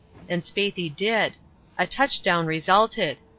And Spaethy did. A touchdown resulted.